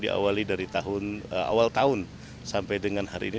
diawali dari awal tahun sampai dengan hari ini